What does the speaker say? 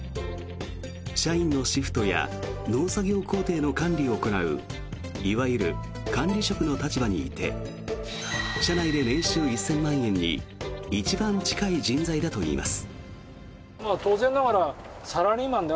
社員のシフトや農作業工程の管理を行ういわゆる管理職の立場にいて社内で年収１０００万円に一番近い人材だといいます。